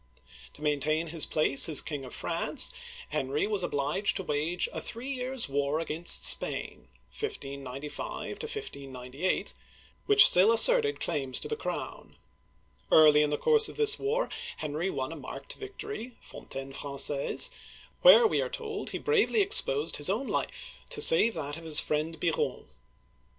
To maintain his place as King of France, Henry was obliged to wage a three years* war against Spain (1595 1 598), which still asserted claims to the crown. Early in the course of this war, Henry won a marked victory (Fontaine Fran^aise), where, we are told, he bravely ex posed his own life to save that of his friend Biron (be r^N').